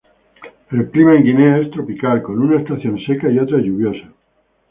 El clima en Guinea es tropical, con una estación seca y otra lluviosa.